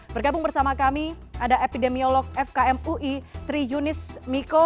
bergabung bersama kami ada epidemiolog fkm ui tri yunis miko